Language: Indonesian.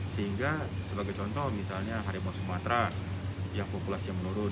sehingga sebagai contoh misalnya harimau sumatra yang populasi yang menurun